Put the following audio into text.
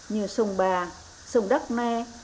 như sông ba sông đắc me